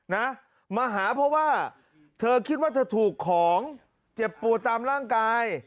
นะมาหาเพราะว่าเธอคิดว่าเธอถูกของเจ็บปวดตามร่างกาย